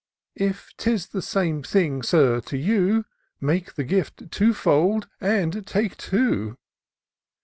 " If 'tis the same thing, Sir, to you. Make the gift two fold, and take two."